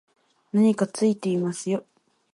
何かついてますよ